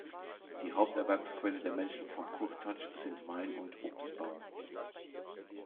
Die Haupterwerbsquelle der Menschen von Kurtatsch sind Wein- und Obstbau.